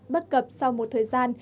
bất cập sau một thời gian